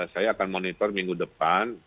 saya akan monitor minggu depan